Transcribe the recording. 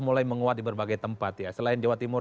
mulai menguat di berbagai tempat ya selain jawa timur